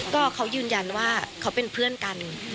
ก็เขายืนยันว่าเขาเป็นเพื่อนกัน